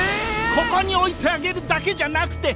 ここに置いてあげるだけじゃなくて。